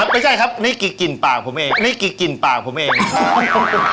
ไม่ใช่ครับนี่กลิ่งกลิ่นปากผมเอง